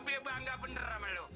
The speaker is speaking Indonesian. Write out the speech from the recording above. bape bangga bener sama lu